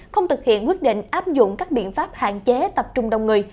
không thực hiện quyết định áp dụng các biện pháp hạn chế tập trung đông người